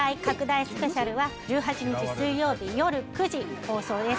スペシャルは１８日水曜日よる９時放送です。